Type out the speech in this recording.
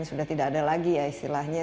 sudah tidak ada lagi ya istilahnya